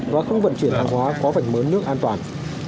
và không vận chuyển hàng hóa có vạch mỡ nước an toàn